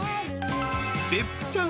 ［別府ちゃん